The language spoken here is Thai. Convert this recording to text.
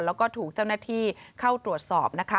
แล้วก็ถูกเจ้าหน้าที่เข้าตรวจสอบนะคะ